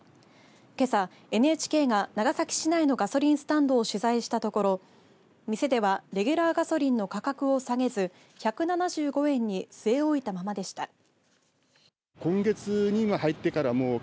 けさ、ＮＨＫが長崎市内のガソリンスタンドを取材したところ店ではレギュラーガソリンの価格を下げず１７５円に据え置いたままでした。